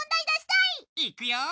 いくよ。